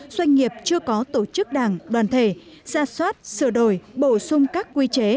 doanh nghiệp chưa có tổ chức đảng đoàn thể xa xoát sửa đổi bổ sung các quy chế